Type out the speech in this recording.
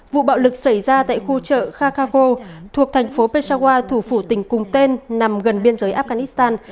vụ bạo lực xảy ra tại khu chợ kha kha kho thuộc thành phố peshawar thủ phủ tỉnh cùng tên nằm gần biên giới afghanistan